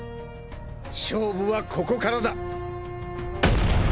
勝負はここからだ！